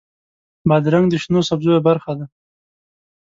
بادرنګ د شنو سبزیو برخه ده.